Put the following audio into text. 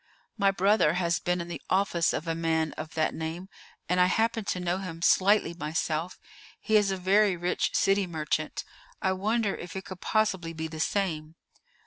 "My brother has been in the office of a man of that name, and I happen to know him slightly myself. He is a very rich city merchant. I wonder if it could possibly be the same."